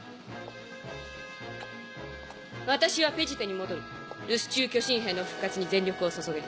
私はペジテに戻る留守中巨神兵の復活に全力を注げ。